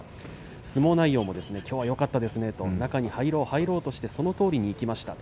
相撲内容もきょうはよかったですね、中に入ろう入ろうと思ってそのとおりにいきました。